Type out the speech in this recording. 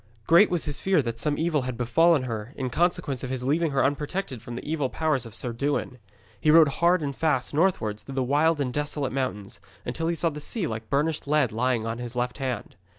Great was his fear that some evil had befallen her in consequence of his leaving her unprotected from the evil powers of Sir Dewin. He rode hard and fast northwards through the wild and desolate mountains, until he saw the sea like burnished lead lying on his left hand.